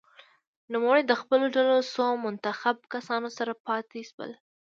نوموړی د خپلو ډلو څو منتخب کسانو سره پاته شول.